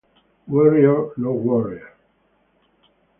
Warrior not worrier.